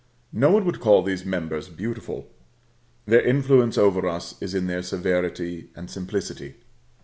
No one would call these members beautiful. Their influence over us is in their severity and simplicity.